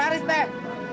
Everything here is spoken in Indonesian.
teh teh teh